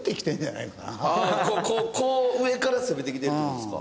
こう上から攻めてきてるって事ですか？